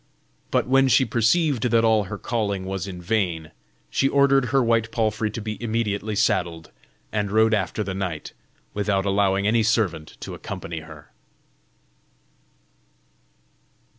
But when she perceived that all her calling was in vain, she ordered her white palfrey to be immediately saddled, and rode after the knight, without allowing any servant to accompany her.